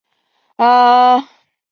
皱波球根鸦葱为菊科鸦葱属的植物。